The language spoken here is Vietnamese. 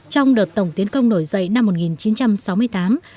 trong đợt tổng tiến công nổi dậy năm một nghìn chín trăm sáu mươi tám